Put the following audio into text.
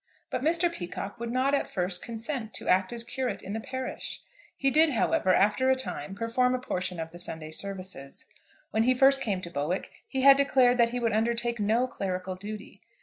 But Mr. Peacocke would not at first consent to act as curate in the parish. He did, however, after a time perform a portion of the Sunday services. When he first came to Bowick he had declared that he would undertake no clerical duty.